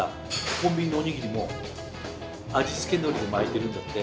コンビニのおにぎりも味付けのりで巻いてるんだって。